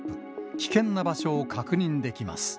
危険な場所を確認できます。